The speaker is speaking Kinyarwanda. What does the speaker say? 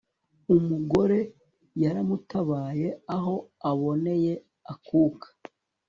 umugore yaramutabaye. aho aboneye akuka